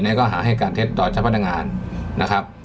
เนี่ยก็หาให้การเท็จต่อเฉพาะดังงานนะครับ